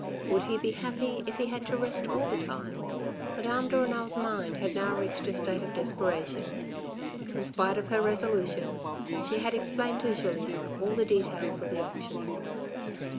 Would he be happy if he had to rest all the time ?" Madame de Renal's mind had now reached a state of desperation. In spite of her resolutions, she had explained to Julien all the details of the auction.